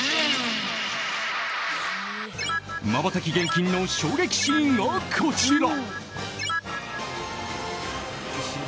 瞬き厳禁の衝撃シーンがこちら。